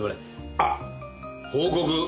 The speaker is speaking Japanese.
あっ報告。